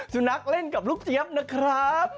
สุนัขเล่นกับลูกเจี๊ยบนะครับ